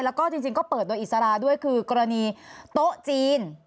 แล้วก็จริงก็เปิดโดยอิสระด้วยคือกรณีโต๊ะจีน